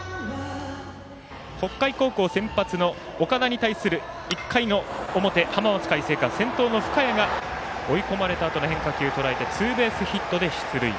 北海高校先発の岡田に対する１回の表浜松開誠館の先頭の深谷が追い込まれたあとの変化球とらえてツーベースヒットで出塁。